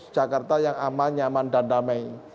jakarta yang aman nyaman dan damai